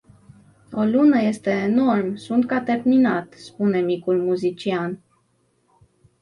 O lună este enorm, sunt ca terminat spune micul muzician.